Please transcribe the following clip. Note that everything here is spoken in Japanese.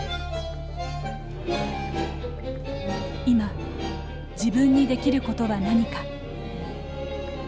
今、自分にできることは何か。